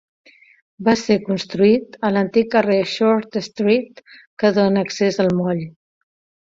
Va ser construït a l'antic carrer Short Street que dóna accés al moll.